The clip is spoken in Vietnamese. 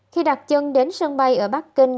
khi đặt chân đến sân bay ở bắc kinh